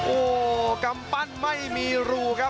โอ้โหกำปั้นไม่มีรูครับ